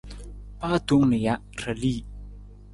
Paa tong nija, ra li.